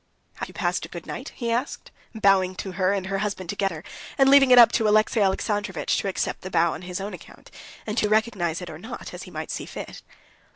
"Have you passed a good night?" he asked, bowing to her and her husband together, and leaving it up to Alexey Alexandrovitch to accept the bow on his own account, and to recognize it or not, as he might see fit.